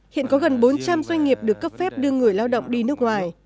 hiện có gần bốn trăm linh doanh nghiệp được cấp phép đưa người lao động đi nước ngoài